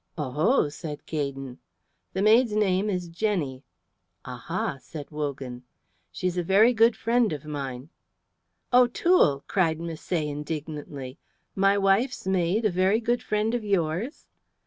"Oho!" said Gaydon. "The maid's name is Jenny." "Aha!" said Wogan. "She's a very good friend of mine." "O'Toole!" cried Misset, indignantly. "My wife's maid a very good friend of yours?"